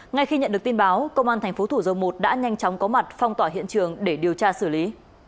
ngay khi nhận được tin báo công an tp thủ dầu một đã nhanh chóng có mặt phong tỏa hiện trường để điều tra xử lý